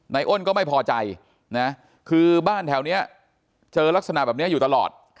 อ้นก็ไม่พอใจนะคือบ้านแถวนี้เจอลักษณะแบบนี้อยู่ตลอด